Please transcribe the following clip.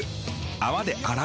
泡で洗う。